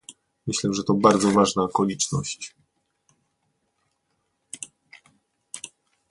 Myślę, że to bardzo ważna okoliczność